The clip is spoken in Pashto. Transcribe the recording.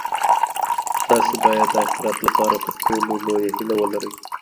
تاسي باید د اخیرت لپاره تر ټولو لویه هیله ولرئ.